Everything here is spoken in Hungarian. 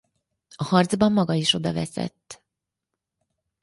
A harcban maga is odaveszett.